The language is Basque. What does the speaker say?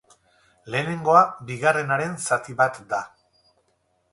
Lehenengoa bigarrenaren zati bat da.